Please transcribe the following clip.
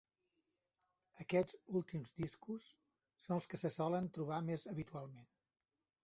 Aquests últims discos són els que se solen trobar més habitualment.